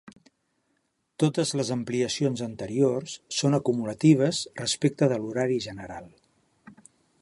Totes les ampliacions anteriors són acumulatives respecte de l'horari general.